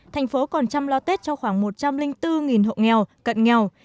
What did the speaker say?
thành phố còn chăm lo tết cho khoảng một trăm linh bốn hộ nghèo cận nghèo